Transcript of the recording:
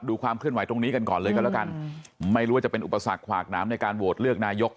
ความเคลื่อนไหวตรงนี้กันก่อนเลยกันแล้วกันไม่รู้ว่าจะเป็นอุปสรรคขวากหนามในการโหวตเลือกนายก